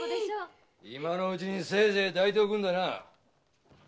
今のうちにせいぜい抱いておくんだな！